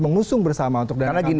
mengusung bersama untuk dana kampanye ini